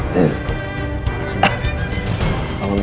pak suman ini ya